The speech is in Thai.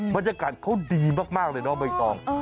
บรรยากาศเขาดีมากเลยน้องใบตอง